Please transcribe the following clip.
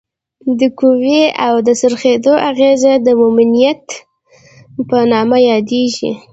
د قوې د څرخیدو اغیزه د مومنټ په نامه یادیږي.